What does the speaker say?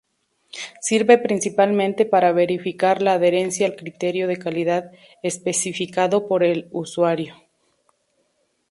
Sirve principalmente para verificar la adherencia al criterio de calidad especificado por el usuario.